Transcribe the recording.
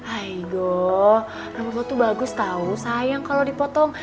aduh rambut lo tuh bagus tau sayang kalo dipotong